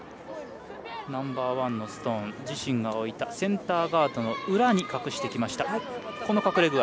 ナンバーワンのストーン自身が置いたセンターガードの裏に隠してきました。